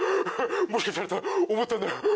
もしかしたらと思ったんだよ。